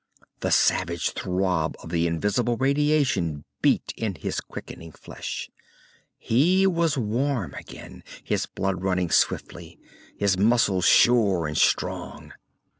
The savage throb of the invisible radiation beat in his quickening flesh. He was warm again, his blood running swiftly, his muscles sure and strong.